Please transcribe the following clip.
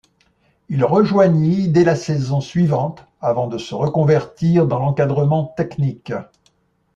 Il rejoignit dès la saison suivante, avant de se reconvertir dans l'encadrement technique.